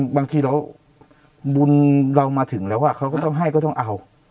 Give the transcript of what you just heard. บางทีเราบุญเรามาถึงแล้วเขาก็ต้องให้ก็ต้องเอา